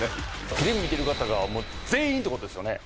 テレビ見てる方が全員ってことですよね